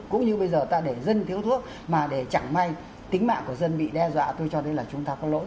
cũng như bây giờ ta để dân thiếu thuốc mà để chẳng may tính mạng của dân bị đe dọa tôi cho đến là chúng ta có lỗi